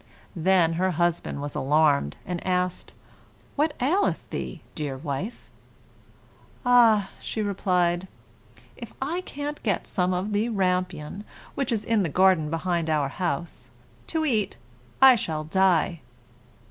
Then her husband was alarmed, and asked, "What ails you, dear wife?" "Ah," she replied, "if I can't get some of the rampion which is in the garden behind our house, to eat, I shall die."